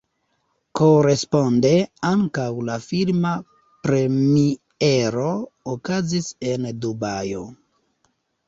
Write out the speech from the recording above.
Koresponde ankaŭ la filma premiero okazis en Dubajo.